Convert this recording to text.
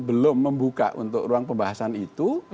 belum membuka untuk ruang pembahasan itu